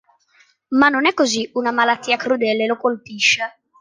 Ma non è così: una malattia crudele lo colpisce.